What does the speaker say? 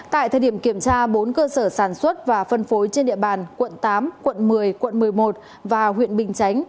tại thời điểm kiểm tra bốn cơ sở sản xuất và phân phối trên địa bàn quận tám quận một mươi quận một mươi một và huyện bình chánh